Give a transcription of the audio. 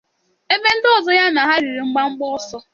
ebe ndị ọzọ ya na ha riri mbọ mbọ ọsọ.